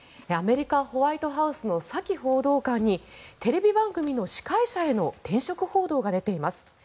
アメリカ・ホワイトハウスのサキ報道官にテレビ番組の司会者への転職報道が出ています。